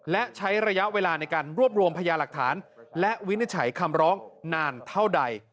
และใช้ระยะเวลาในการรวบรวมพยาหลักฐานและวินิจฉัยคำร้องนานเท่าใด